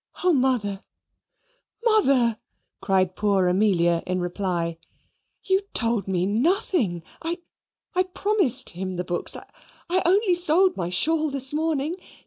"Oh, Mother, Mother!" cried poor Amelia in reply. "You told me nothing I I promised him the books. I I only sold my shawl this morning.